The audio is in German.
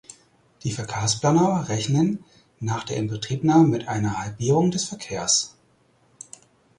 Die Verkehrsplaner rechnen nach der Inbetriebnahme mit einer Halbierung des Verkehrs.